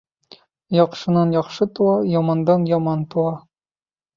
Яҡшынан яҡшы тыуа, ямандан яман тыуа.